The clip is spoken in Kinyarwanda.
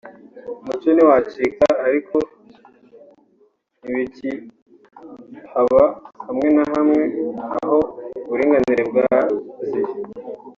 umuco ntiwacika ariko ntibikihaba hamwe na hamwe aho uburinganire bwaziye